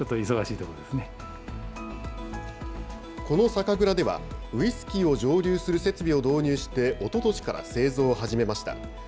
この酒蔵では、ウイスキーを蒸留する設備を導入しておととしから製造を始めました。